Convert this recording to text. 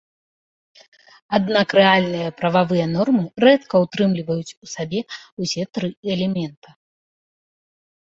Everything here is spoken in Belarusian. Аднак рэальныя прававыя нормы рэдка ўтрымліваюць у сабе ўсе тры элемента.